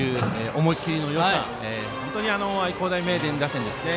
思い切りのよさが本当に愛工大名電打線ですね。